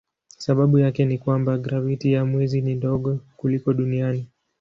Sababu yake ni ya kwamba graviti ya mwezi ni ndogo kuliko duniani.